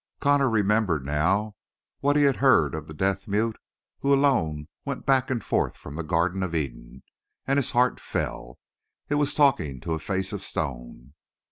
Connor remembered now what he had heard of the deaf mute who alone went back and forth from the Garden of Eden, and his heart fell. It was talking to a face of stone.